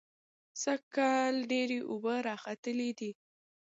سږکال اوبه ډېرې راخلتلې دي.